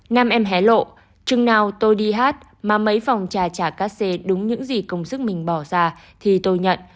nam em hé lộ chừng nào tôi đi hát mà mấy vòng trà trà ca xe đúng những gì công sức mình bỏ ra thì tôi nhận